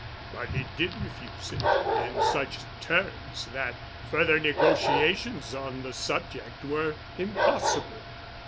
But he did refuse it in such terms that further negotiations on the subject were impossible."